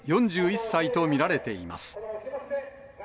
４１歳と見られています。